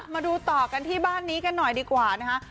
มาดูต่อกันที่บ้านนี้กันหน่อยดีกว่านะคะ